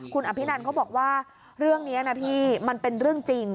คุณอภินันเขาบอกว่าเรื่องนี้นะพี่มันเป็นเรื่องจริง